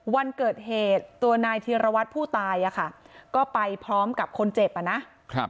วันเกิดเหตุตัวนายธีรวัตรผู้ตายอ่ะค่ะก็ไปพร้อมกับคนเจ็บอ่ะนะครับ